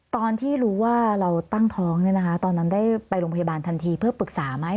ตอนที่รู้ว่าเราตั้งท้องตอนนั้นได้ไปโรงพยาบาลทันทีเพื่อปรึกษาไหม